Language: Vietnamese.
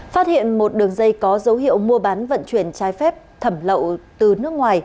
phát hiện một đường dây có dấu hiệu mua bán vận chuyển trái phép thẩm lậu từ nước ngoài